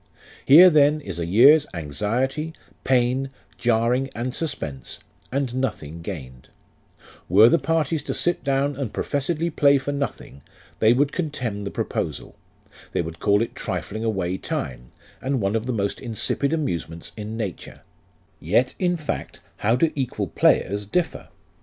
Here then is a year's anxiety, pain, jarring, and suspense, and nothing gained ; were the parties to sit down and professedly play for nothing, they would contemn the proposal ; they would call it trifling away time, and one of the most insipid amusements in nature; yet, in fact, how do equal players differ?